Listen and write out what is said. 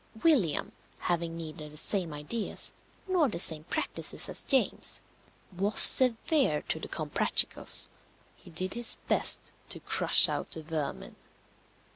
William, having neither the same ideas nor the same practices as James, was severe to the Comprachicos. He did his best to crush out the vermin.